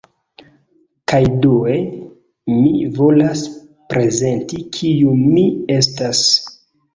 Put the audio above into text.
Kaj due, mi volas prezenti kiu mi estas